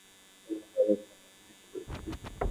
তোমার বলা সব কথা বিশ্বাস করেছিলাম।